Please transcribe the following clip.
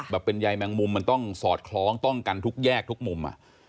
แบบเป็นใยแมงมุมมันต้องสอดคล้องต้องกันทุกแยกทุกมุม